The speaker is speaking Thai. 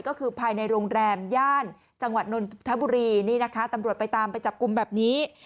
ก็คือภายในโรงแรมย่านจังหวัดนนทบุรีนี่นะคะตำรวจไปตามไปจับกลุ่มแบบนี้